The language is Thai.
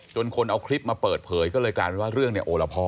จนคนเอาคลิปมาเปิดเพย์ก็เลยกลายเป็นว่าเรื่องโอณพ่อ